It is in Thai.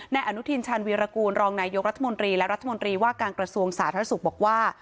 อนุทินชาญวีรกูลรองนายกรัฐมนตรีและรัฐมนตรีว่าการกระทรวงสาธารณสุขบอกว่า